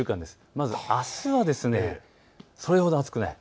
まずあすはそれほど暑くない。